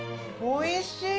おいしい！